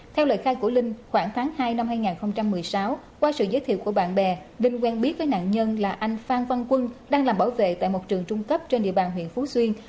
theo lời khai của linh khoảng tháng hai năm hai nghìn một mươi sáu qua sự giới thiệu của bạn bè linh quen biết với nạn nhân là anh phan văn quân đang làm bảo vệ tại một trường trung cấp trên địa bàn huyện phú xuyên